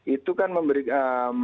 itu kan memberikan